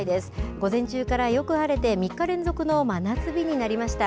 午前中からよく晴れて、３日連続の真夏日になりました。